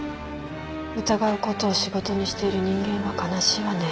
疑うことを仕事にしている人間は悲しいわね。